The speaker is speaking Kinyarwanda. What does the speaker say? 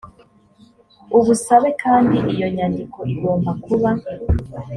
ubusabe kandi iyo nyandiko igomba kuba